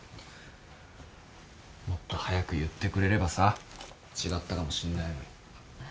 もっと早く言ってくれればさ違ったかもしんないのに。